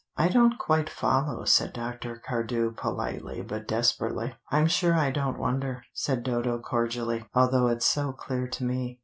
"I don't quite follow," said Dr. Cardew politely but desperately. "I'm sure I don't wonder," said Dodo cordially, "although it's so clear to me.